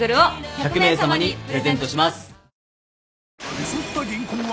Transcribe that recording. １００名さまにプレゼントします。